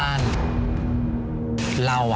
หนีออกจากบ้าน